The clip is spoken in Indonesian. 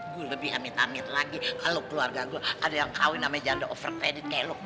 gue lebih amit amit lagi kalau keluarga gue ada yang kawin namanya jando overpedent kayak lo